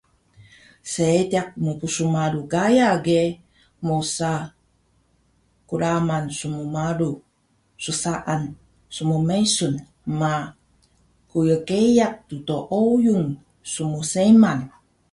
Seediq mpsmalu Gaya ge mosa kraman smmalu ssaan smmesung ma qyqeya ddooyun smseman